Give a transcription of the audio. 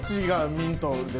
ミントです。